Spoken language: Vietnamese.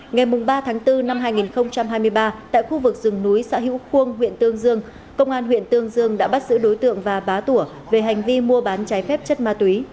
ngày ba tháng bốn năm hai nghìn hai mươi ba tại khu vực rừng núi xã hữu khuôn huyện tương dương công an huyện tương dương đã bắt giữ đối tượng và bá tủa về hành vi mua bán trái phép chất ma túy